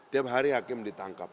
tiap hari hakim ditangkap